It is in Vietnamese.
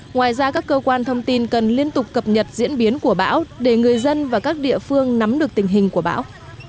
ngoài ra các cơ quan thông tin cần liên tục cập nhật diễn biến của bão để người dân và các địa phương nắm được tình hình của bão